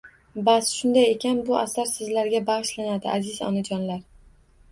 Bas, shunday ekan, bu asar sizlarga bag‘ishlanadi aziz Onajonlar!